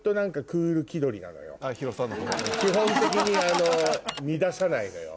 基本的に乱さないのよ。